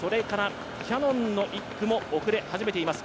キヤノンの１区も遅れ始めています